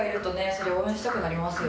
そりゃ応援したくなりますよね。